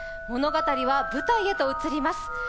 物語は舞台へと移ります。